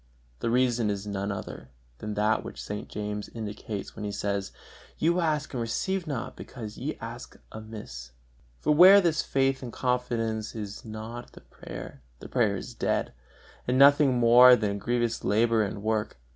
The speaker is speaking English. The reason is none other than that which St. James indicates when he says: "You ask much and receive not, because ye ask amiss." For where this faith and confidence is not in the prayer, the prayer is dead, and nothing more than a grievous labor and work.